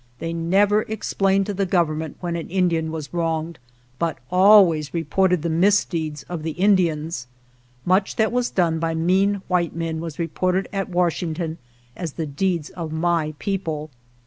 They never explained to the Government when an Indian was wronged, but always reported the misdeeds of the In dians. Much that was done by mean white men was reported at Washington as the deeds of my people.